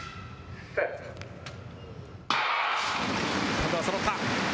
今度はそろった。